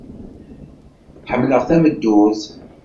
Ḥemmleɣ tameddurt.